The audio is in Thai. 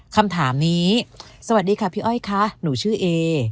คำถามนี้สวัสดีค่ะพี่อ้อยค่ะหนูชื่อเอ